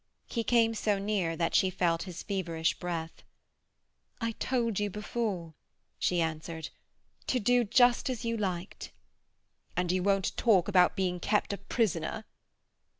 He came so near that she felt his feverish breath. "I told you before," she answered, "to do just as you liked." "And you won't talk about being kept a prisoner?"